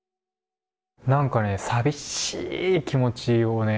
何かね寂しい気持ちをね